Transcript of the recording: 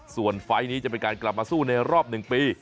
ส่วนไฟล์นี้จะเป็นการกลับมาสู้ในรอบ๑ปี